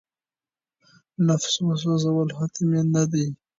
نفس وسوځول حتمي نه دي.